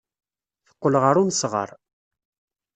Teqqel ɣer uneɣsar.